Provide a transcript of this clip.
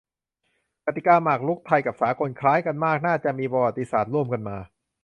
กติกาหมากรุกไทยกับสากลคล้ายกันมาก น่าจะมีประวัติศาสตร์ร่วมกันมา